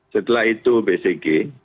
setelah itu bcg